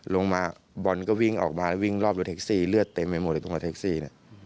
ลงมาบอลก็วิ่งออกมาวิ่งรอบรถเท็กซี่เลือดเต็มไปหมดอยู่ตรงรถเท็กซี่